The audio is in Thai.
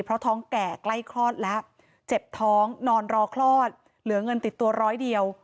เพราะท้องแก่ใกล้คลอดแล้วเจ็บท้องนอนรอคลอดเหลือเงินติดตัวร้อยเดียว